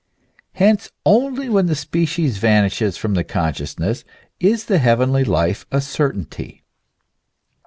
Hence only when the species vanishes from the consciousness is the heavenly life a certainty.